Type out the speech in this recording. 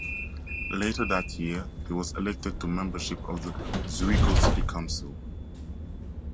Later that year he was elected to membership of the Zwickau city council.